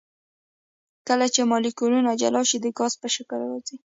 کله چې مالیکولونه جلا شي د ګاز په شکل راځي.